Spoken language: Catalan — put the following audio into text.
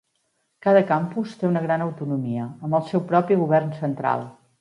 Cada campus té una gran autonomia, amb el seu propi govern central.